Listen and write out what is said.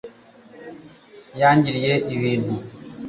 yangiriye ibintu